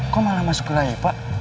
kok malah masuk ke area ipa